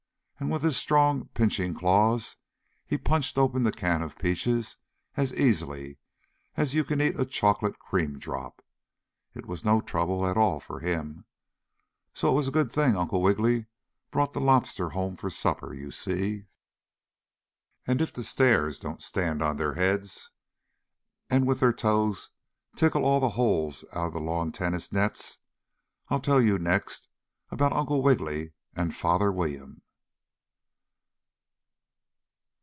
And with his strong, pinching claws he punched open the can of peaches as easily as you can eat a chocolate cream drop. It was no trouble at all for him. So it was a good thing Uncle Wiggily brought the Lobster home for supper, you see. And if the stairs don't stand on their heads and with their toes tickle all the holes out of the lawn tennis nets, I'll tell you next about Uncle Wiggily and Father William.